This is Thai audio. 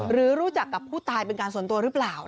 รู้จักกับผู้ตายเป็นการส่วนตัวหรือเปล่า